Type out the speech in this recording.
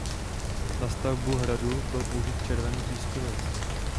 Na stavbu hradu byl použit červený pískovec.